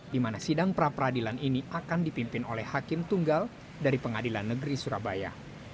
di mana sidang pra peradilan ini akan dipimpin oleh hakim tunggal dari pengadilan negeri surabaya